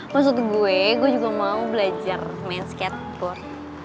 maksud gue gue juga mau belajar main skateboard